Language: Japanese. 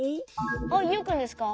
あっユウくんですか？